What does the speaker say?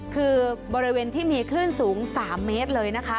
คือแบรนด์ที่มีขึ้นสูง๓เมตรเลย